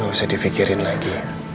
gak usah difikirin lagi